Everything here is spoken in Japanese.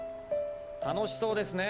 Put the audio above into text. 楽しそうですね。